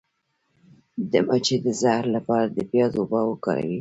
د مچۍ د زهر لپاره د پیاز اوبه وکاروئ